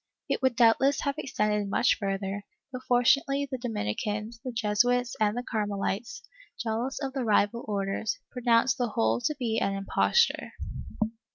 It would doubtless have extended much further, but fortunately the Dominicans, the Jesuits and the Carmelites, jealous of the rival Orders, pronounced the whole to be an imposture.